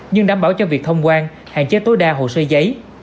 nhưng đảm bảo cho việc thông quan hạn chế tối đa hồ sơ giấy